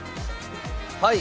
はい。